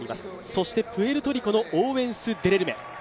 そしてプエルトリコのオーウェンス・デレルメ。